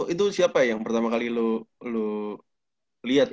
itu siapa ya yang pertama kali lu liat